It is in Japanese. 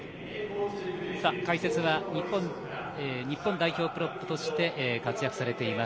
解説は日本代表プロップとして活躍されています